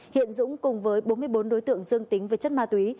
hiện dũng cùng với bốn mươi bốn đối tượng dương tính với chất ma túy